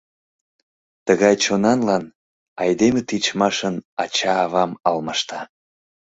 Тыгай чонанлан айдеме тичмашын ача-авам алмашта.